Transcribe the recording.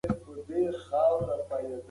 د ټینېس لوبه هم ګټوره ده.